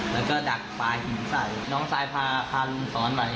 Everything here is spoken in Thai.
แล้วก็ดักปลาหินใส่น้องชายพาลุงสอนไป